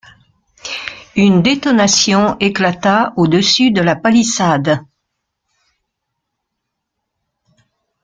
Une détonation éclata au-dessus de la palissade